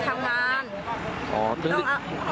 ที่หลานร้องเมื่อกี้